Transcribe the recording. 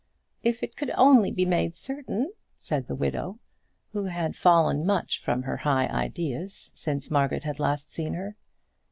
"If it could only be made certain," said the widow, who had fallen much from her high ideas since Margaret had last seen her.